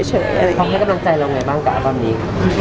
ไม่ได้กลิ่นกันก็ก็ว่าเขาแบบให้กำลังใจเราไงบ้างกับอัลบั้มนี้